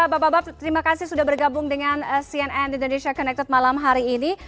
bapak bapak terima kasih sudah bergabung dengan cnn indonesia connected malam hari ini